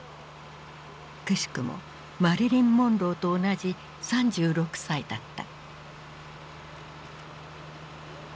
くしくもマリリン・モンローと同じ３６歳だった。